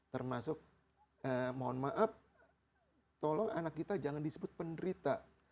termasuk mohon maaf tolong anak kita jangan disebut penderita